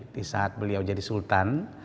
di saat beliau jadi sultan